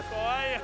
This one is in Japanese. はい。